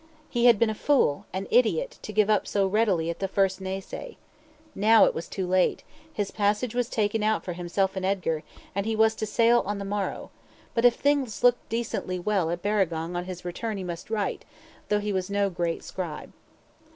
He had been a fool, an idiot, to give up so readily at the first nay say. Now, it was too late; his passage was taken out for himself and Edgar, and he was to sail on the morrow; but if things looked decently well at Barragong on his return he must write, though he was no great scribe.